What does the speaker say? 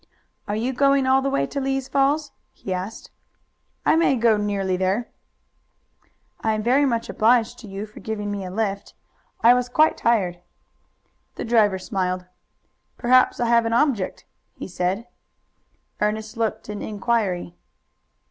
"Are you going all the way to Lee's Falls?" he asked. "I may go nearly there." "I am very much obliged to you for giving me a lift. I was quite tired." The driver smiled. "Perhaps I have an object," he said. Ernest looked an inquiry.